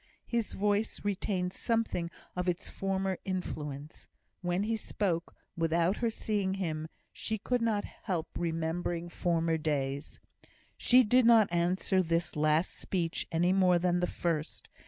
His voice retained something of its former influence. When he spoke, without her seeing him, she could not help remembering former days. She did not answer this last speech any more than the first.